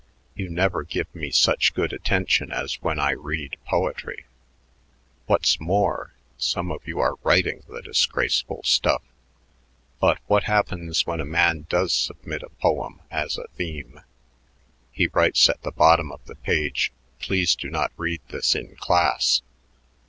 You never give me such good attention as when I read poetry. What's more, some of you are writing the disgraceful stuff. But what happens when a man does submit a poem as a theme? He writes at the bottom of the page, 'Please do not read this in class.'